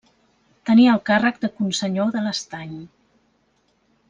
Tenia el càrrec de consenyor de l'Estany.